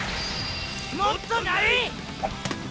もっとない！